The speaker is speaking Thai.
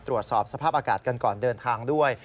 ตรวจสอบสภาพอากาศกันก่อนเดินทางด้วย